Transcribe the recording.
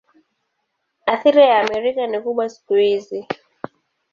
Athira ya Amerika ni kubwa siku hizi.